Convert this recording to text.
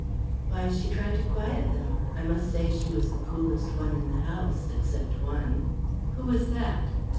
"Why, she tried to quiet them I must say she was the coolest one in the house except one." "Who was that?"